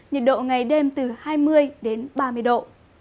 nhiệt độ ngày đêm từ hai mươi đến ba mươi độ